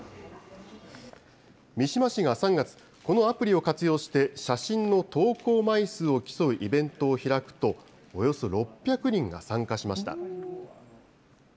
三島市が３月、このアプリを活用して、写真の投稿枚数を競うイベントを開くと、およそ６００人が参加しました。